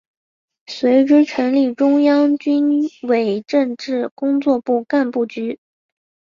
随之成立中央军委政治工作部干部局。